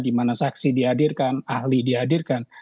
dimana saksi dihadirkan ahli dihadirkan